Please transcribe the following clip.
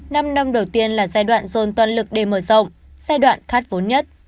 năm năm đầu tiên là giai đoạn dồn toàn lực để mở rộng giai đoạn khát vốn nhất